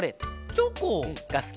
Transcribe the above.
チョコ！がすきかな。